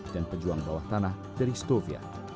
dan pejuang bawah tanah dari stovia